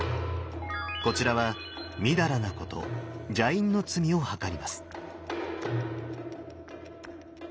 こちらは淫らなこと邪淫の罪をはかります。